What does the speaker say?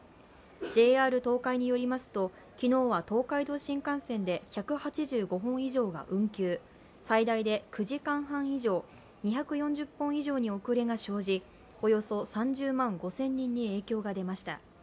ＪＲ東海によりますと昨日は東海道新幹線で１８５本以上が運休、最大で９時間半以上、２４０本以上に遅れが生じおよそ３０万５０００人に影響が出ました。